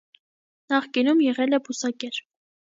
Նախկինում եղել է բուսակեր։